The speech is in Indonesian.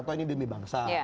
tuh ini demi bangsa